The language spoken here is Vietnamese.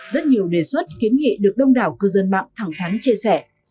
rất nhiều đề xuất kiến nghị được đông đảo cư dân mạng thẳng thắn chia sẻ